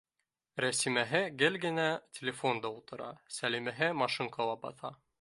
Рәсимәһе гел генә телефонда ултыра, Сәлимәһе машинкала баҫа